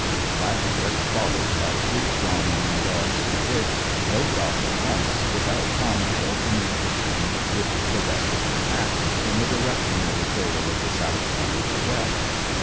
Black tip, followed by three strong young dogs and a bitch, loped off at once, without comment or communication with the rest of the pack, in the direction of the trail of the south bound Jeff.